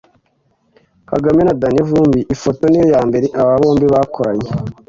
Kagame na Danny Vumbi ‘ifoto’ niyo ya mbere aba bombi bakoranye